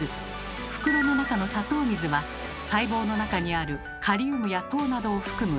袋の中の砂糖水は細胞の中にあるカリウムや糖などを含む液体。